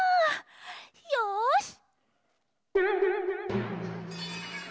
よし！